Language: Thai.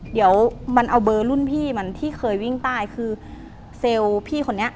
เดี๋ยวมันเอาเบอร์รุ่นพี่มันที่เคยวิ่งใต้คือเซลล์พี่คนนี้